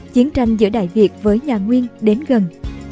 chiến tranh giữa đại việt với nhà nguyên đến gần